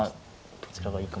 どちらがいいか。